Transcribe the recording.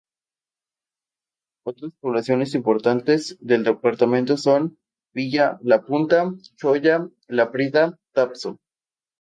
Otras poblaciones importantes del departamento son Villa La Punta, Choya, Laprida, Tapso.